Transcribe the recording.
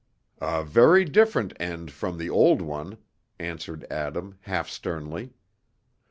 "A very different end from the old one," answered Adam, half sternly.